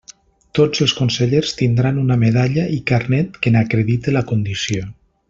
Tots els consellers tindran una medalla i carnet que n'acredite la condició.